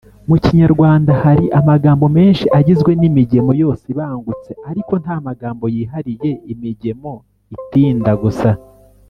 Mu kinyarwanda, hari amagambo menshi agizwe n’imigemo yose ibangutse ariko nta magambo yihariye imigemo itinda gusa